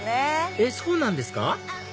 えっそうなんですか？